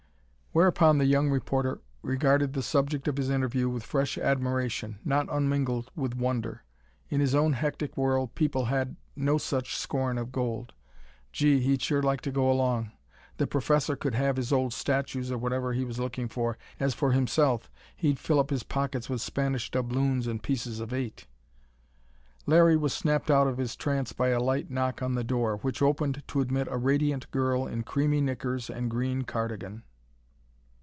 Whereupon the young reporter regarded the subject of his interview with fresh admiration, not unmingled with wonder. In his own hectic world, people had no such scorn of gold. Gee, he'd sure like to go along! The professor could have his old statues or whatever he was looking for. As for himself, he'd fill up his pockets with Spanish doubloons and pieces of eight! Larry was snapped out of his trance by a light knock on the door, which opened to admit a radiant girl in creamy knickers and green cardigan.